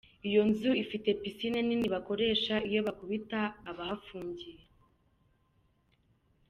Iyo nzu ifite piscine nini bakoresha iyo bakubita abahafungiye.